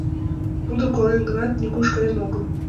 Тудо колен гынат, нигуш каен огыл.